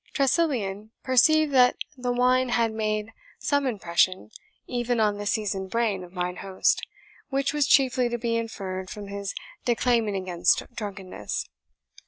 Tressilian perceived that the wine had made some impression even on the seasoned brain of mine host, which was chiefly to be inferred from his declaiming against drunkenness.